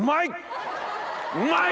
うまい！